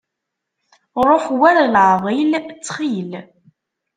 Ruḥ war leɛḍil, ttxil.